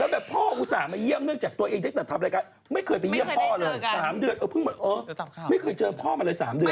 แล้วแบบพ่ออุตส่าห์มาเยี่ยมเนื่องจากตัวเองแต่ทำอะไรกันไม่เคยไปเยี่ยมพ่อเลย๓เดือนไม่เคยเจอพ่อมาเลย๓เดือน